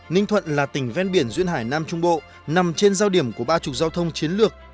ninh thuận là tỉnh ven biển duyên hải nam trung bộ nằm trên giao điểm của ba trục giao thông chiến lược